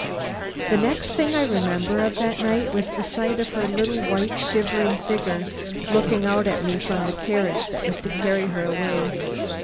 The next thing I remember of that night was the sight of her little white, shivering figure looking out at me from the carriage that was to carry her away.